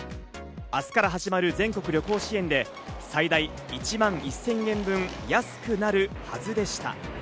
明日から始まる全国旅行支援で最大１万１０００円分安くなるはずでした。